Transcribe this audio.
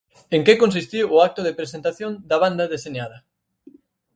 En que consistiu o acto de presentación da banda deseñada?